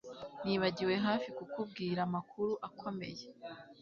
Nibagiwe hafi kukubwira amakuru akomeye